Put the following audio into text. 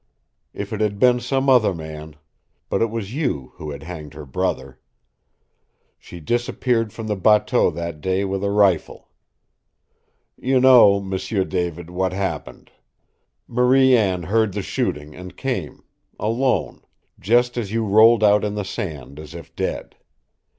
If it had been some other man, but it was you, who had hanged her brother! She disappeared from the bateau that day with a rifle. You know, M'sieu David, what happened. Marie Anne heard the shooting and came alone just as you rolled out in the sand as if dead.